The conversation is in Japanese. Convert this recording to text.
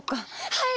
はい！